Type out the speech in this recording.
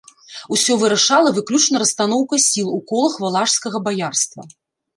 Усё вырашала выключна расстаноўка сіл у колах валашскага баярства.